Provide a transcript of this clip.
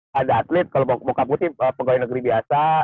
kalau atlet kalau bapak putih pegawai negeri biasa